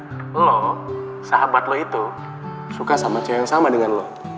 kalau sahabat lo itu suka sama cewek yang sama dengan lo